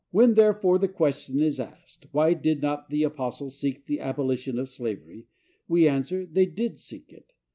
When, therefore, the question is asked, why did not the apostles seek the abolition of slavery, we answer, they did seek it.